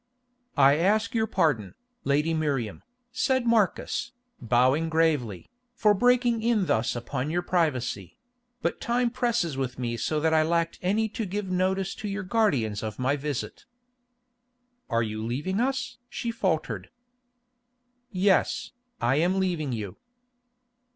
"I ask your pardon, Lady Miriam," said Marcus, bowing gravely, "for breaking in thus upon your privacy; but time presses with me so that I lacked any to give notice to your guardians of my visit." "Are you leaving us?" she faltered. "Yes, I am leaving you."